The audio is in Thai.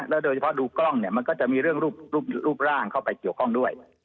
โดยเฉพาะดูกล้องเนี่ยมันก็จะมีเรื่องรูปร่างเข้าไปเกี่ยวข้องด้วย